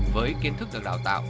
với kiến thức được đào tạo